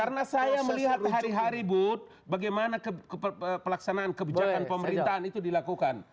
karena saya melihat hari hari bud bagaimana pelaksanaan kebijakan pemerintahan itu dilakukan